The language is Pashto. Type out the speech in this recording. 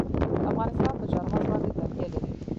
افغانستان په چار مغز باندې تکیه لري.